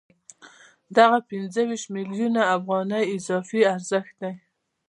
دغه پنځه ویشت میلیونه افغانۍ اضافي ارزښت دی